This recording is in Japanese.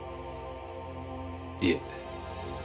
いえ。